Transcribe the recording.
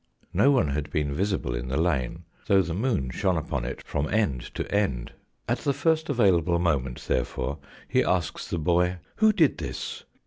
No one had been visible in the lane, though the moon shone upon it from end to end. At the first available raoment, therefore, he asks the boy, " Who did this